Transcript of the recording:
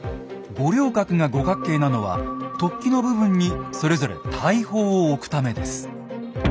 五稜郭が五角形なのは突起の部分にそれぞれ大砲を置くためです。